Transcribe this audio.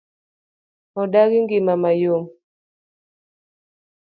Odagi ng'ima ma yom.